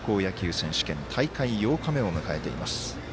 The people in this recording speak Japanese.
選手権大会８日目を迎えています。